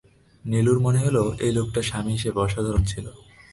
নীলুর মনে হলো এই লোকটি স্বামী হিসেবে অসাধারণ ছিল।